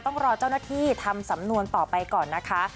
ต้องรอเจ้าหน้าที่ทำสำนวนต่อไปก่อนนะคะ